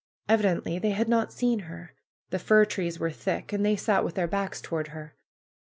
Evi dently they had not seen her. The fir trees were thick, and they sat with their backs toward her.